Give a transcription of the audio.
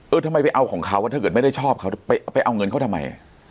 ทำไมไปเอาของเขาว่าถ้าเกิดไม่ได้ชอบเขาไปเอาเงินเขาทำไม